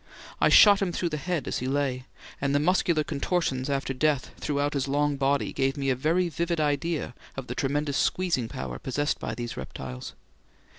I shot him through the head as he lay, and the muscular contortions after death throughout his long body gave me a very vivid idea of the tremendous squeezing power possessed by these reptiles.